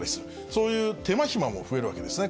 そういう手間暇も増えるわけですね。